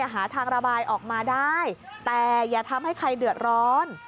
หาทางระบายออกมาได้แต่อย่าทำให้ใครเดือดร้อน